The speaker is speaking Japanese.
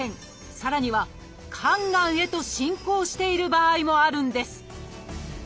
さらには「肝がん」へと進行している場合もあるんです。